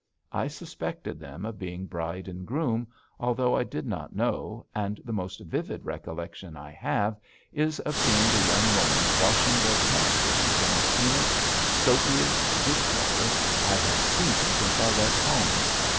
I suspected them of being bride and groom, although I did not know, and the most vivid recollection I have is of seeing the young woman washing their camp dishes in the cleanest, soapiest dishwater I had seen since I left home.